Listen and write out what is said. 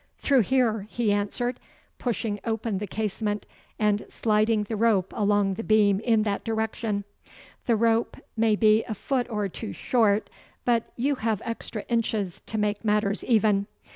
'Through here,' he answered, pushing open the casement, and sliding the rope along the beam in that direction. 'The rope may be a foot or two short, but you have extra inches to make matters even.